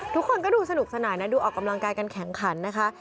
ทุกคนก็ดูสนุกสนานนะดูออกกำลังกายกันแข็งขันนะคะ